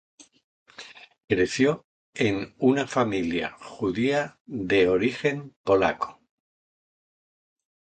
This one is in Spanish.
Creció en una familia judía de origen polaco.